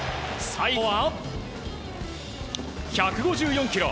最後は１５４キロ！